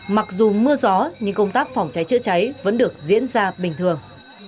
mặc dù mưa gió nhưng công tác phòng cháy chữa cháy vẫn được diễn ra bình thường